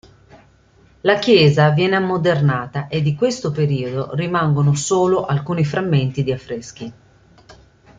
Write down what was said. La chiesa viene ammodernata e di questo periodo rimangono solo alcuni frammenti di affreschi.